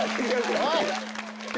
おい！